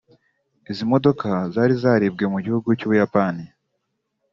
Izi modoka zari zaribwe mu gihugu cy’u Buyapani